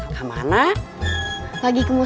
saya mau berubah